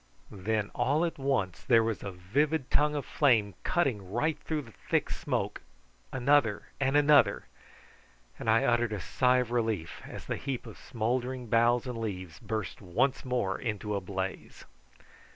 Then all at once there was a vivid tongue of flame cutting right through the thick smoke, another and another, and I uttered a sigh of relief as the heap of smouldering boughs and leaves burst once more into a blaze.